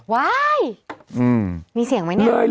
ว้ายมีเสียงไหมเนี่ย